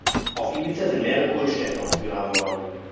Auf Ibiza sind mehrere Kultstätten ausgegraben worden.